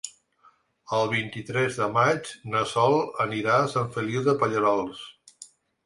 El vint-i-tres de maig na Sol anirà a Sant Feliu de Pallerols.